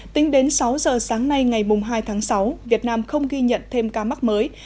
tính đến sáu giờ sáng nay ngày hai tháng sáu việt nam không ghi nhận thêm ca mắc mới